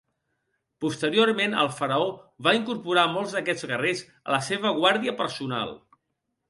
Posteriorment, el faraó va incorporar molts d'aquests guerrers a la seva guàrdia personal.